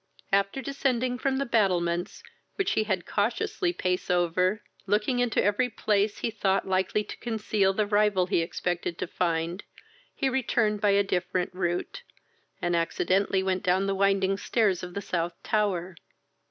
After descending from the battlements, which he had cautiously pace over, looking into every place he thought likely to conceal the rival he expected to find, he returned by a different route, and accidentally went down the winding stairs of the South tower.